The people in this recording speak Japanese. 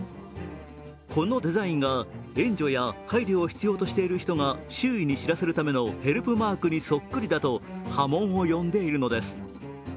このデザインが、援助や配慮を必要としている人が周囲に知らせるためのヘルプマークにそっくりだと波紋を呼んでいるのです。